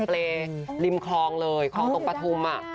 เปลริมคลองเลยคลองตรงประทุมอะ